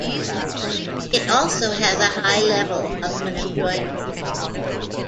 It also has a high level of unemployment.